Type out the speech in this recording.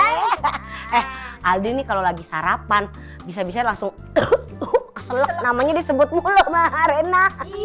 eh adi nih kalau lagi sarapan bisa bisa langsung kesel namanya disebut mulu maha rena